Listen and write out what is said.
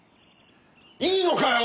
いいのかよ？